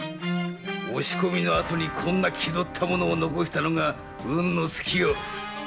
押し込みの後にこんな気取った物を残したのが運の尽きよ。